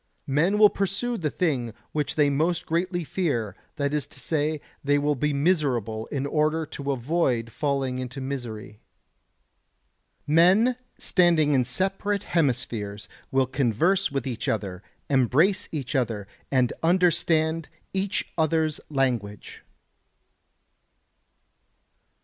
Men will pursue the thing which they most greatly fear; that is to say, they will be miserable in order to avoid falling into misery. Men standing in separate hemispheres will converse with each other, embrace each other, and understand each other's language.